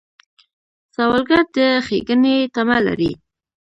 سوالګر د ښېګڼې تمه لري